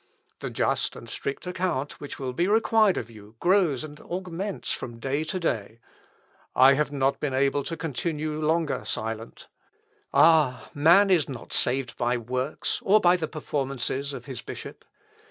The just and strict account which will be required of you grows and augments from day to day.... I have not been able to continue longer silent. Ah! man is not saved by works, or by the performances of his bishop...